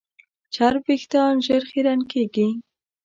چرب وېښتيان ژر خیرن کېږي.